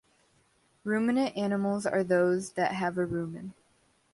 Ruminant animals are those that have a rumen.